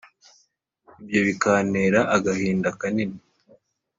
ibyo bikantera agahinda kanini,